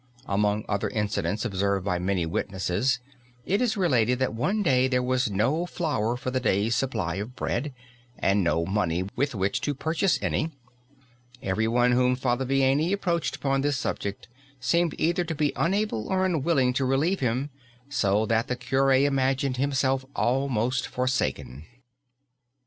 Among other incidents observed by many witnesses it is related that one day there was no flour for the day's supply of bread and no money with which to purchase any. Everyone whom Father Vianney approached upon this subject seemed either to be unable or unwilling to relieve him, so that the cure imagined himself almost forsaken.